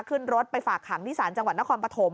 ขึ้นรถไปฝากขังที่ศาลจังหวัดนครปฐม